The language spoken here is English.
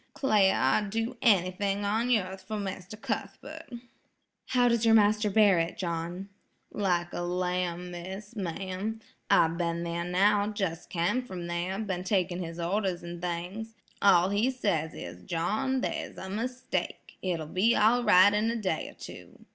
'Clare, I'd do anyting on yearth for Mr. Cuthbert." "How does your master bear it, John?" "Like a lamb, miss–ma'am–I've been there now, jes' cam from there, been taking his orders an' things. All he says is 'John, there's a mistake; it'll be all right in a day or two.